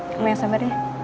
kamu yang sabar ya